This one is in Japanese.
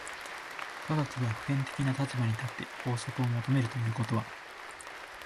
科学が普遍的な立場に立って法則を求めるということは、